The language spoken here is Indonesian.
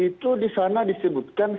itu disana disebutkan